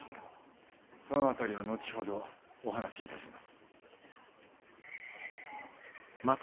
その辺りは後ほどお話しいたします。